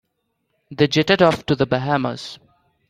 They jetted off to the Bahamas.